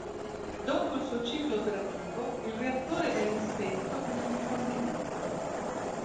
Dopo il suo ciclo operativo, il reattore viene spento per il rifornimento.